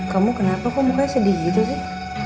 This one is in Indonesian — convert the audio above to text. kamu kenapa kok makanya sedih gitu sih